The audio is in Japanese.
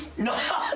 何？